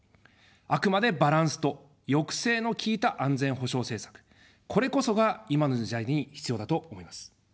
あくまでバランスと抑制の効いた安全保障政策、これこそが今の時代に必要だと思います。